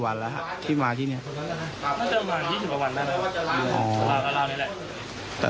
เราก็เอาไปให้ตลอด